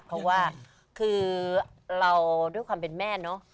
เพราะว่าคือเราด้วยความเป็นแม่เนอะ